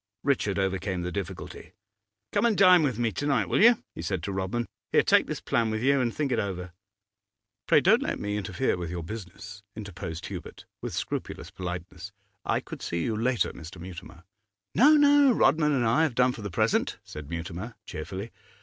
Richard overcame the difficulty. 'Come and dine with me to night, will you?' he said to Rodman. 'Here, take this plan with you, and think it over.' 'Pray don't let me interfere with your business,' interposed Hubert, with scrupulous politeness. 'I could see you later, Mr. Mutimer.' 'No, no; Rodman and I have done for the present,' said Mutimer, cheerfully.